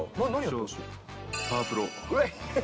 パワプロ。